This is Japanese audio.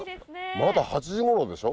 まだ８時頃でしょ？